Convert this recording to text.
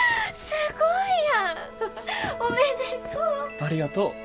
ありがとう！